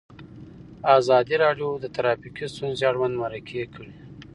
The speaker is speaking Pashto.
ازادي راډیو د ټرافیکي ستونزې اړوند مرکې کړي.